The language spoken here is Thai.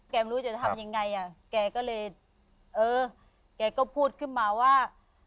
แกไม่รู้จะทำยังไงเกิดพูดขึ้นมาว่า